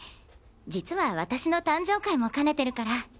実は私の誕生会も兼ねてるから。